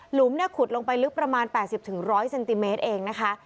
ขุดลงไปลึกประมาณ๘๐๑๐๐เซนติเมตรเองนะคะ